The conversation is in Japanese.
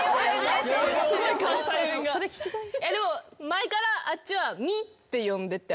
前からあっちは「み」って呼んでて。